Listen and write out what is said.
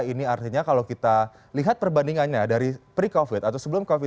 ini artinya kalau kita lihat perbandingannya dari pre covid atau sebelum covid